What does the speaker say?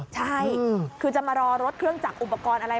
ใช่คือจะมารอรถเครื่องจักรอุปกรณ์อะไร